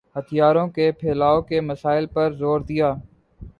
ہتھیاروں کے پھیلاؤ کے مسئلے پر زور دیا